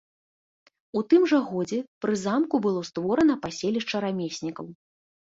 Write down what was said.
У тым жа годзе пры замку было створана паселішча рамеснікаў.